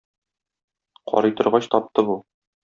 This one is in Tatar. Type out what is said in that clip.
Карый торгач, тапты бу.